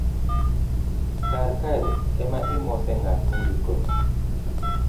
karkae ema imose ng'at mindikone